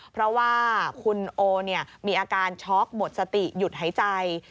เพราะว่าคุณโอมีอาการช็อกหมดสติหยุดหายใจ